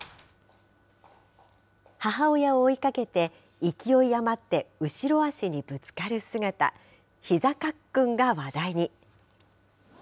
母親を追いかけて勢い余って後ろ足にぶつかる姿、ひざかっくんが話題に。